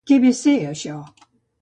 Què ve a ser això.